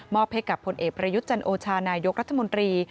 มอบเพกกับพลเอกประยุจจันโอชานายกรัฐมนตรี